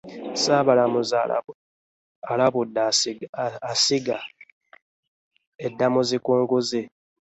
Sabalamuzi alabudde esigga eddamuzi ku nguzi.